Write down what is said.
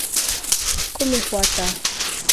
کومې خواته.